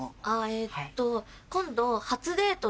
えっと今度。